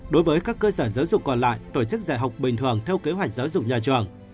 đối với các cơ sở giáo dục còn lại tổ chức dạy học bình thường theo kế hoạch giáo dục nhà trường